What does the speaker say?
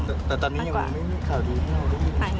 แต่ตอนนี้ยังไม่มีข่าวดูข้างนอกด้วย